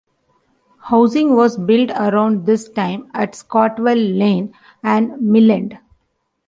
Housing was built around this time at Stockwell Lane and Millend.